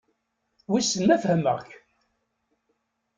Wissen ma fehmeɣ-k?